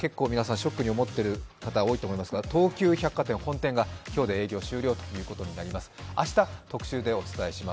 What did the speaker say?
ショックに思ってる人多いと思いますが、東急百貨店本店が今日で閉店となります。